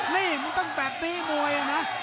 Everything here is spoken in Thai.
นี่มันต้องแบบนี้มวยนะ